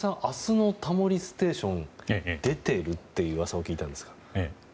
明日の「タモリステーション」出てるっていううわさを聞いたんですが。